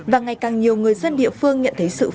và ngày càng nhiều người dân địa phương nhận thấy sự phiền bản